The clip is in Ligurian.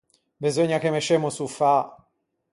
Beseugna che mescemmo o sofà.